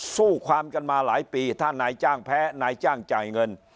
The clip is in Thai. สู้ความกันมาหลายปีถ้านายจ้างแพ้นายจ้างจ่ายเงิน